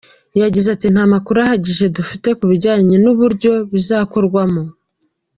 Yagize ati “Nta makuru ahagije dufite ku bijyanye n’uburyo bizakorwamo.